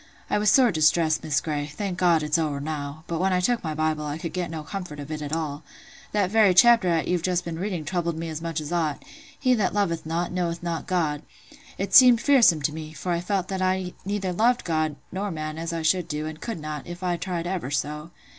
I was sore distressed, Miss Grey—thank God, it's owered now—but when I took my Bible, I could get no comfort of it at all. That very chapter "at you've just been reading troubled me as much as aught—'He that loveth not, knoweth not God.' It seemed fearsome to me; for I felt that I loved neither God nor man as I should do, and could not, if I tried ever so.